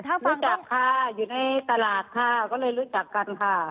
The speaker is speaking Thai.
รู้จักค่ะอยู่ในตลาดค่ะก็เลยรู้จักกันค่ะ